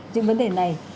những vấn đề này